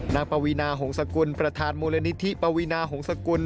ปวีนาหงษกุลประธานมูลนิธิปวีนาหงษกุล